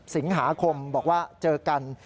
สิงหาคมบอกว่าเจอกัน